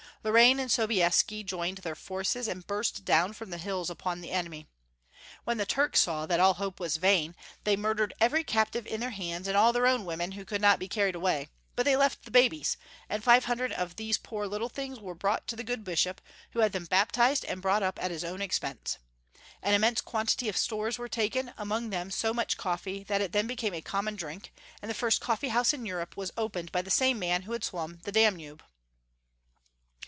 Lorraine and Sobieski joined their forces, and burst down from the hills upon the enemy. When the Turks saw that all hope was vain, they mur Leopold I. 363 dered every captive in their hands and all their own women who could not be carried away, but they left the babies, and five hundred of these poor little things were brought to the good Bishop, who had them baptized and brought up at his own expense. An immense quantity of stores were taken, among them so much coffee that it then became a common drink, and the first coffee house in Europe was opened by the same man who had s^vum the Danube.